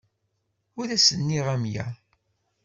Ur asen-nniɣ amya.